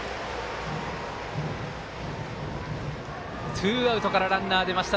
ツーアウトからランナー出ました。